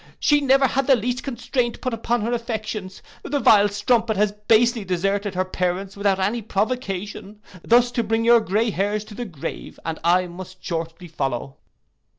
She never had the least constraint put upon her affections. The vile strumpet has basely deserted her parents without any provocation, thus to bring your grey hairs to the grave, and I must shortly follow.